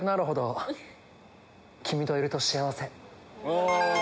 お！